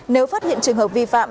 nếu phát hiện trường hợp vi phạm